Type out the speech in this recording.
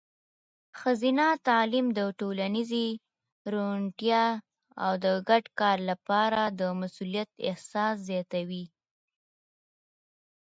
ښځینه تعلیم د ټولنیزې روڼتیا او د ګډ کار لپاره د مسؤلیت احساس زیاتوي.